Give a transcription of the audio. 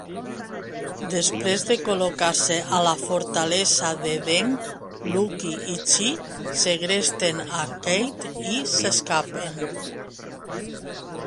Després de colar-se a la fortalesa de Deng, Lucky i Chi segresten a Kate i s'escapen.